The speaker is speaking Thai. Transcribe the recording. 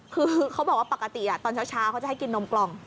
คือเขาบอกว่าปกติตอนเช้าเขาจะให้กินนมกล่อง